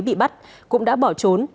bị bắt cũng đã bỏ trốn